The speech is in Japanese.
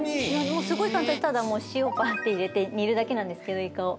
もうすごいかんたんでただもうしおバッていれてにるだけなんですけどイカを。